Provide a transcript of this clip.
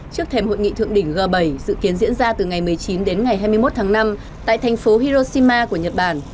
trước thêm hội nghị thượng đỉnh g bảy dự kiến diễn ra từ ngày một mươi chín đến ngày hai mươi một tháng năm tại thành phố hiroshima của nhật bản